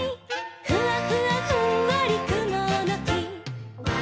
「ふわふわふんわりくものき」